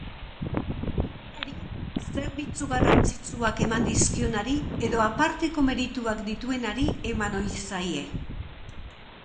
Hiriari zerbitzu garrantzitsuak eman dizkionari edo aparteko merituak dituenari eman ohi zaie.